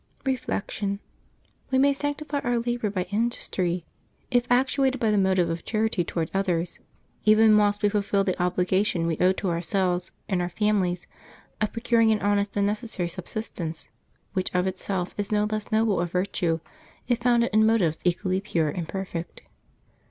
Reflection. — We may sanctify our labor or industry, if actuated by the motive of charity toward others, even whilst we fulfil the obligation we owe to ourselves and our families of procuring an honest and necessary subsistence, which of itself is no less noble a virtue, if founded in motives equally pure and perfect.